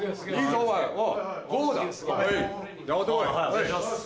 お願いします。